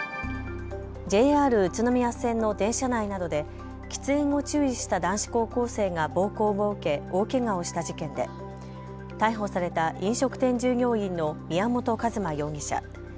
ＪＲ宇都宮線の電車内などで喫煙を注意した男子高校生が暴行を受け大けがをした事件で逮捕された飲食店従業員の宮本一馬容疑者。